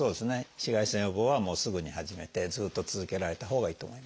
紫外線予防はもうすぐに始めてずっと続けられたほうがいいと思います。